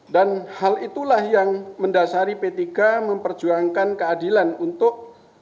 dan hal itulah yang mendasari p tiga memperjuangkan keadilan untuk